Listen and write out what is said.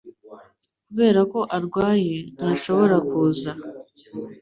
Kubera ko arwaye, ntashobora kuza